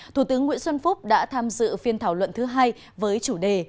thủ tướng nguyễn xuân phúc đã tham dự phiên thảo luận thứ hai với chủ đề